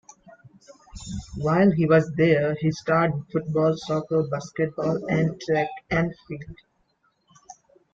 While he was there he starred in football, soccer, basketball, and track and field.